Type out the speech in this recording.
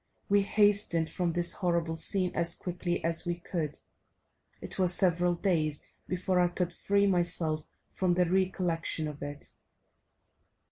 We hastened from this horrible scene as quickly as we could; it was several days before I could free myself from the recollection of it.